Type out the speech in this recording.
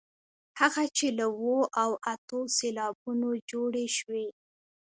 هغه چې له اوو او اتو سېلابونو جوړې شوې.